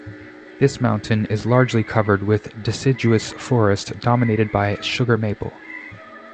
This mountain is largely covered with deciduous forest dominated by sugar maple.